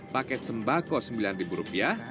paket sembako sembilan ribu rupiah